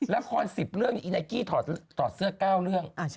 ละคร๑๐เรื่องนี้อีไนกี้ถอดเสื้อ๙เรื่อง